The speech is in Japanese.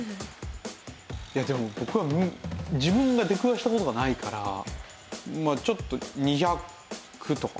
いやでも僕は自分が出くわした事がないからまあちょっと２００とか？